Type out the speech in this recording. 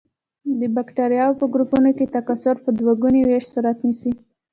د بکټریاوو په ګروپونو کې تکثر په دوه ګوني ویش صورت نیسي.